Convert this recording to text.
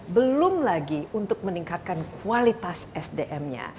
belum lagi untuk meningkatkan kualitas sdm nya